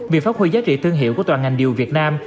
việc phát huy giá trị thương hiệu của toàn ngành điều việt nam